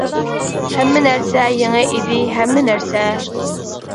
ھەممە نەرسە يېڭى ئىدى، ھەممە نەرسە!